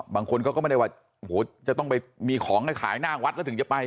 บางคนก็ไม่ได้ว่าจะต้องไปของกับขายหน้าหวัดแล้วถึงจะไป